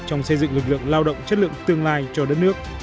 trong xây dựng lực lượng lao động chất lượng tương lai cho đất nước